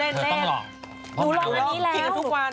เดี๋ยวเราลองอะนี้แล้วดูเราลองกินกับทุกวัน